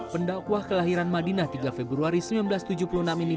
pendakwah kelahiran madinah tiga februari seribu sembilan ratus tujuh puluh enam ini